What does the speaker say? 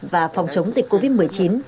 và phòng chống dịch covid một mươi chín